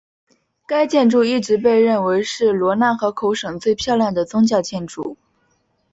该建筑一直被认为是罗讷河口省最漂亮的宗教建筑。